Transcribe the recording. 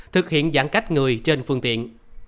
thực hiện giãn cách người trên phương tiện